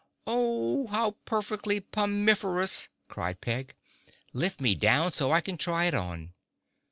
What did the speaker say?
"Oh! How perfectly pomiferous!" cried Peg. "Lift me down so I can try it on."